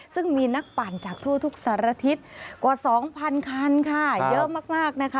ซึ่งมีนักปั่นจากทั่วทุกสารทิศกว่า๒๐๐คันค่ะเยอะมากนะคะ